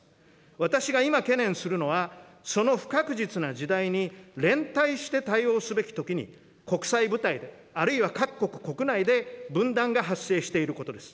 私が今、懸念するのは、その不確実な時代に、連帯して対応すべきときに、国際舞台で、あるいは各国国内で分断が発生していることです。